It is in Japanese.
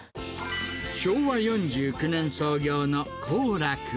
昭和４９年創業の幸楽。